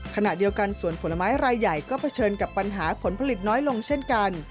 ขณะเดียวกันสวนผลไม้รายใหญ่ก็เผชิญกับปัญหาผลผลิตน้อยลงเช่นกัน